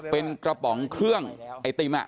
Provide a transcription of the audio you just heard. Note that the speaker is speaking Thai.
เป็นกระป๋องเครื่องไอติม